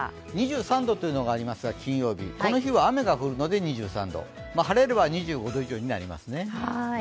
２３度というのがありますが、金曜日、この日は雨が降るので２３度、晴れれば２５度以上になりますね。